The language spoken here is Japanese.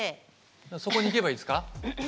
そこに行けばいいですか？